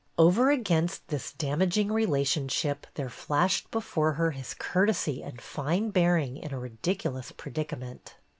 Over against this damaging relationship there flashed before her his courtesy and fine bearing in a ridiculous predicament.